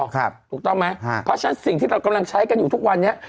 เพราะฉะนั้นสิ่งที่เรากำลังใช้กันอยู่ทุกวันนี้